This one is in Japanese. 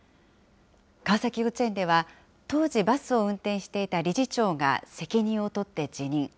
川崎幼稚園では、当時、バスを運転していた理事長が責任をとって辞任。